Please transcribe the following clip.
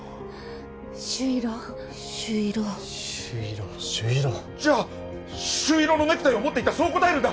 朱色朱色朱色朱色じゃあ朱色のネクタイを持ってたそう答えるんだ！